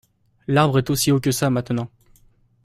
L’arbre est aussi haut que ça maintenant.